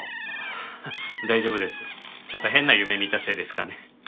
ちょっと変な夢見たせいですかね。